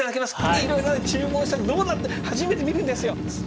いろいろね注文したのどうなって初めて見るんですよ！